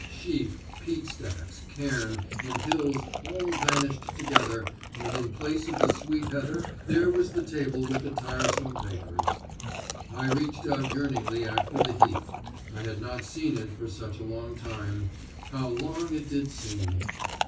Sheep, peat stacks, cairn, and hills all vanished together, and in place of the sweet heather there was the table with the tiresome papers. I reached out yearningly after the heath; I had not seen it for such a long time, how long it did seem!